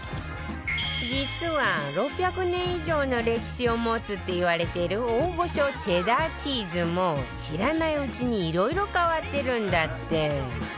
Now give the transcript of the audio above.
実は６００年以上の歴史を持つっていわれてる大御所チェダーチーズも知らないうちに色々変わってるんだって